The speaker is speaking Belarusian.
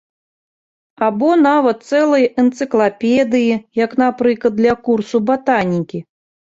Або нават цэлыя энцыклапедыі, як, напрыклад, для курсу батанікі.